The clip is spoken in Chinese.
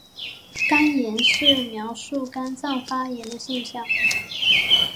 肝炎是描述肝脏发炎的现象。